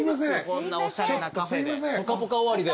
こんなおしゃれなカフェで。